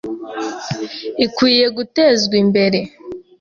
ikwiye gutezwe imbere